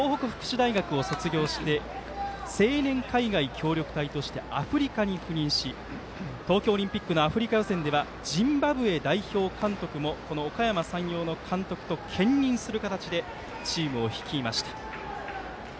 東北福祉大学を卒業して青年海外協力隊としてアフリカに赴任し東京オリンピックのアフリカ予選ではジンバブエ代表監督もおかやま山陽の監督と兼任する形でチームを率いました。